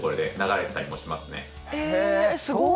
えすごい。